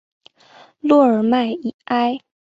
洛尔迈埃。